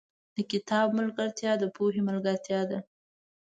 • د کتاب ملګرتیا، د پوهې ملګرتیا ده.